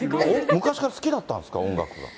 昔から好きだったんですか、音楽。